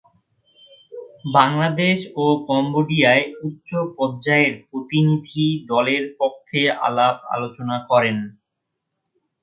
বাংলাদেশ ও কম্বোডিয়ায় উচ্চ পর্যায়ের প্রতিনিধি দলের পক্ষে আলাপ-আলোচনা করেন।